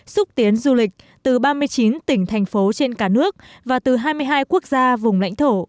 xúc tiến du lịch từ ba mươi chín tỉnh thành phố trên cả nước và từ hai mươi hai quốc gia vùng lãnh thổ